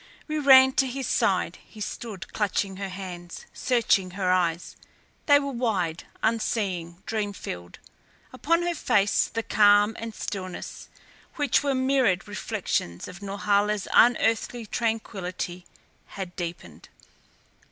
We ran to his side. He stood clutching her hands, searching her eyes. They were wide, unseeing, dream filled. Upon her face the calm and stillness, which were mirrored reflections of Norhala's unearthly tranquillity, had deepened.